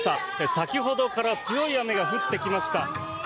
先ほどから強い雨が降ってきました。